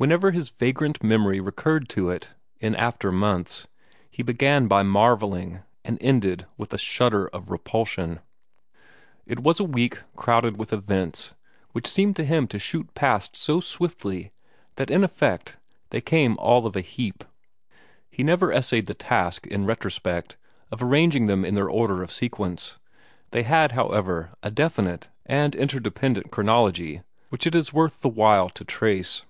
Whenever his vagrant memory recurred to it, in after months, he began by marvelling, and ended with a shudder of repulsion. It was a week crowded with events, which seemed to him to shoot past so swiftly that in effect they came all of a heap. He never essayed the task, in retrospect, of arranging them in their order of sequence. They had, however, a definite and interdependent chronology which it is worth the while to trace.